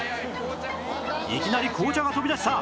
いきなり紅茶が飛び出した！